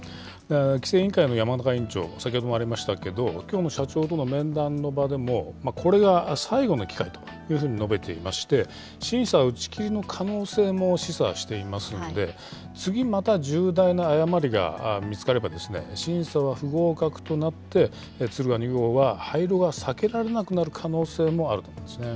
規制委員会の山中委員長、先ほどもありましたけど、きょうも社長との面談の場でもこれが最後の機会というふうに述べていまして、審査打ち切りの可能性も示唆していますので、次、また重大な誤りが見つかれば、審査は不合格となって、敦賀２号は廃炉が避けられなくなる可能性もあるんですね。